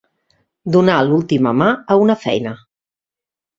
Donar l'última mà a una feina.